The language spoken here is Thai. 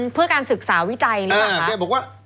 เพื่อการศึกษาวิจัยหรือเปล่า